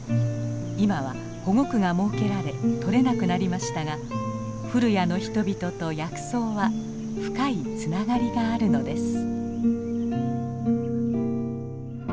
今は保護区が設けられとれなくなりましたが古屋の人々と薬草は深いつながりがあるのです。